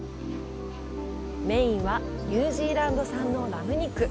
メインは、ニュージーランド産のラム肉。